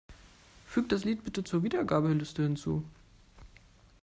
Füg das Lied bitte zur Wiedergabeliste hinzu.